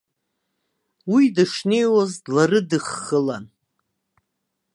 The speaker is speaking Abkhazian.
Уи дышнеиуаз дларыдыххылан.